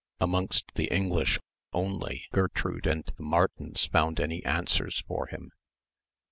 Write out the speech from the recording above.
Amongst the English only Gertrude and the Martins found any answers for him.